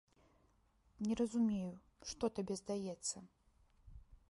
Не разумею, што табе здаецца?